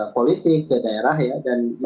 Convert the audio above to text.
politik ke daerah ya dan